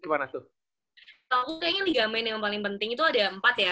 atau kayaknya ligamen yang paling penting itu ada empat ya